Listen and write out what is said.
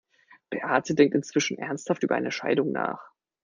Beate denkt inzwischen ernsthaft über eine Scheidung nach.